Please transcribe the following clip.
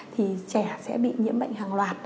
thì trẻ sẽ bị nhiễm bệnh hàng loạt